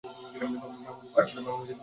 বামে পার্ক কর।